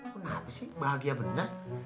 kenapa sih bahagia bener